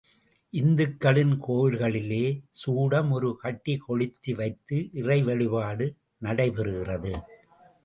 இந்துக்களின் கோவில்களிலே, சூடம் ஒரு கட்டிகொளுத்திவைத்து இறைவழிபாடு நடைபெறுகிறது.